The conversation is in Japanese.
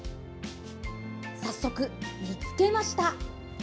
早速、見つけました！